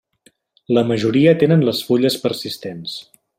La majoria tenen les fulles persistents.